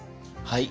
はい。